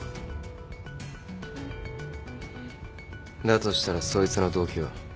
だとしたらそいつの動機は？